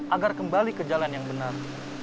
agar kembali ke jalan yang benar